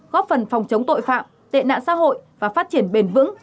góp phần phòng chống tội phạm tệ nạn xã hội và phát triển bền vững